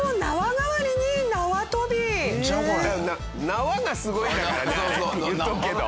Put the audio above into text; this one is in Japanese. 縄がすごいんだよ言っとくけど。